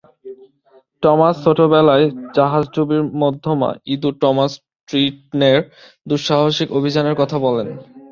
Thomas ছোট বেলায় জাহাজডুবির মধ্যমা ইঁদুর টমাস ট্রিটনের দুঃসাহসিক অভিযানের কথা বলেন।